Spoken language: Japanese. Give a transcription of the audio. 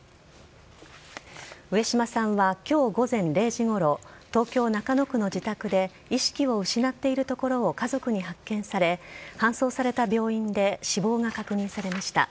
上島さんは今日午前０時ごろ東京・中野区の自宅で意識を失っているところを家族に発見され搬送された病院で死亡が確認されました。